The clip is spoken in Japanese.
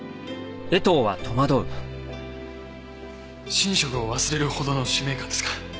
寝食を忘れるほどの使命感ですか。